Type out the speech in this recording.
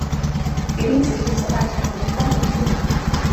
源明子是左大臣源高明之女。